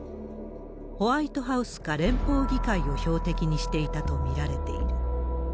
ホワイトハウスか連邦議会を標的にしていたと見られている。